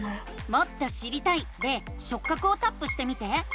「もっと知りたい」で「しょっ角」をタップしてみて。